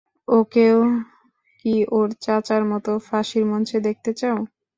ওকেও কি ওর চাচার মতো ফাঁসির মঞ্চে দেখতে চাও?